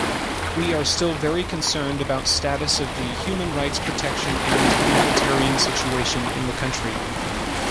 We are still very concerned about status of the human rights’ protection and humanitarian situation in the country.